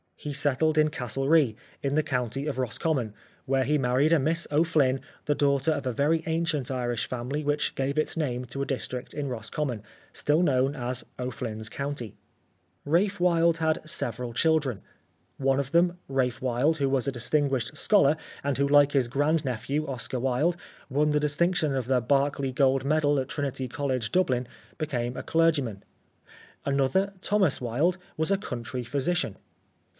He settled in Castlerea, in the county of Roscommon, where he married a Miss O'Flyn, the daughter of a very ancient Irish family which gave its name to a district in Roscommon, still known as O'Flyn's County. Ralph Wilde had several children. One of them, Ralph Wilde, who was a distinguished scholar, and who like his grand nephew, Oscar Wilde, won the distinction of the Berkeley Gold Medal at Trinity College, Dublin, became a clergyman ; another, Thomas Wilde, was a country physician.